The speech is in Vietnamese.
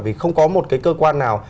vì không có một cái cơ quan nào